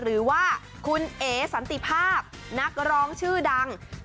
หรือว่าคุณเอ๋สันติภาพนักร้องชื่อดัง